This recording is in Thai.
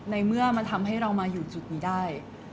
ในเมื่อมันทำให้เรามาอยู่จุดนี้ได้